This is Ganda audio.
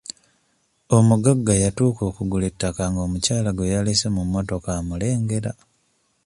Omugagga yatuuka okugula ettaka nga omukyala gwe yalese mu mmotoka amulengera.